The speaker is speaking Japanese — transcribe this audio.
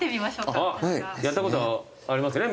やったことありますね？